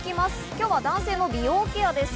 今日は男性の美容ケアです。